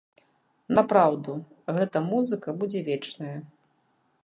Напраўду, гэта музыка будзе вечная.